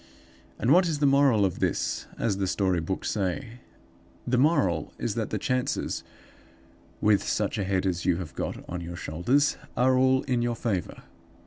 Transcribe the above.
"And what is the moral of this, as the story books say? "The moral is that the chances, with such a head as you have got on your shoulders, are all in your favor.